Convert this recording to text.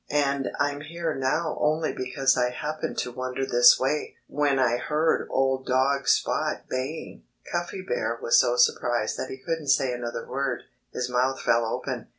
And I'm here now only because I happened to wander this way, when I heard old dog Spot baying." Cuffy Bear was so surprised that he couldn't say another word. His mouth fell open.